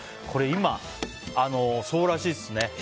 これ今、そうらしいですね。